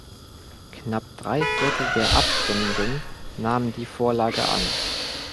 Knapp drei Viertel der Abstimmenden nahmen die Vorlage an.